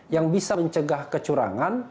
yang bisa mencegah kecurangan